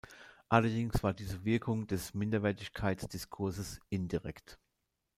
Allerdings war diese Wirkung des „Minderwertigkeits“-Diskurses indirekt.